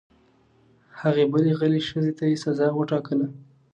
هغې بلې غلې ښځې ته یې سزا وټاکله.